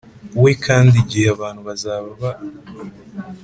We kandi igihe abantu bazaba